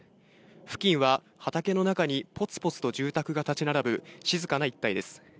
付近は畑の中にぽつぽつと住宅が建ち並ぶ静かな一帯です。